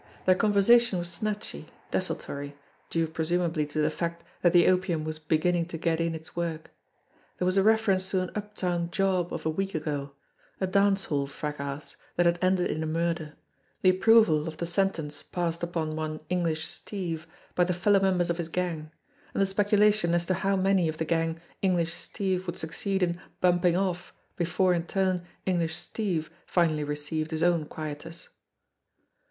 Their con versation was snatchy, desultory, due presumably to the fact that the opium was beginning to get in its work. There was a reference to an uptown "job" of a week ago ; a dance hall fracas that had ended in a murder; the approval of the sentence passed upon one English Steve by the fellow mem bers of his gang, and the speculation as to how many of the gang English Steve would succeed in "bumping off" before in turn English Steve finally received his own quietus.